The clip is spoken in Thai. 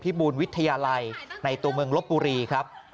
บูรวิทยาลัยในตัวเมืองลบบุรีครับ